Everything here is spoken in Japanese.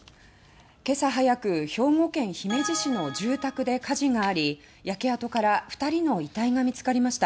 今朝早く兵庫県姫路市の住宅で火事があり焼け跡から２人の遺体が見つかりました。